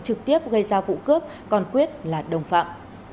trực tiếp gây ra vụ cướp còn quyết là đồng phạm